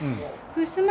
ふすま。